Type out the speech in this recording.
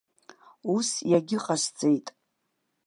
Ус иагьыҟасҵеит.